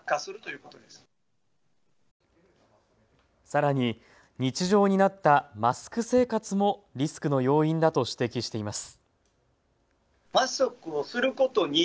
さらに日常になったマスク生活もリスクの要因だと指摘しています。